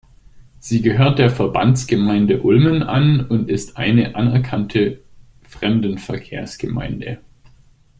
Sie gehört der Verbandsgemeinde Ulmen an und ist eine anerkannte Fremdenverkehrsgemeinde.